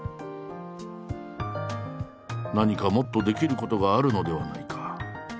「何かもっとできることがあるのではないか」。